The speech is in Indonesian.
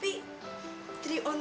tidak tidak tidak